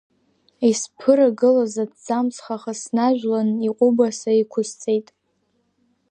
Исԥырагылаз аҭӡамц хаха снажәлан иҟәыбаса иқәысҵеит…